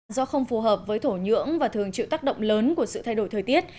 do không phù hợp với thổ nhưỡng và thường chịu tác động lớn của sự thay đổi thời tiết